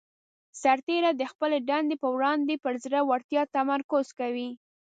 سرتیری د خپلې دندې په وړاندې پر زړه ورتیا تمرکز کوي.